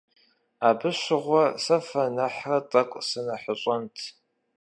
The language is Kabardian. Абы щыгъуэ сэ фэ нэхърэ тӀэкӀу сынэхъыщӀэнт.